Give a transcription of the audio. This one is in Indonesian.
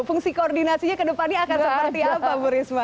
fungsi koordinasinya ke depannya akan seperti apa bu risma